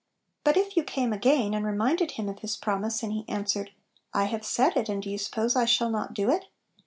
But if you came again, and reminded him of his promise, and he answered, " I have said it, and do you suppose I shall not do it?"